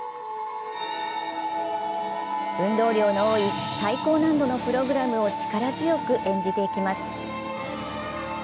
運動量の多い最高難易度のプログラムを力強く演じていきます。